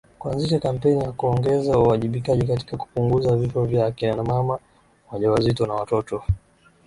Kuanzisha kampeni ya kuongeza uwajibikaji katika kupunguza vifo vya akina mama wajawazito na watoto